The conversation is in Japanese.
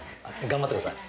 頑張ってください。